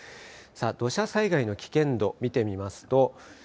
土砂災害の危険度、見てみますと